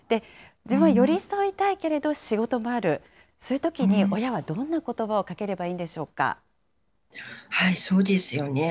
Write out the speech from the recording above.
自分は寄り添いたいけれど仕事もある、そういうときに親はどんなことばをかければいいんでしょうそうですよね。